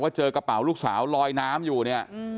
เจอกระเป๋าลูกสาวลอยน้ำอยู่เนี่ย